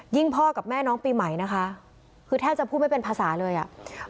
พ่อกับแม่น้องปีใหม่นะคะคือแทบจะพูดไม่เป็นภาษาเลยอ่ะ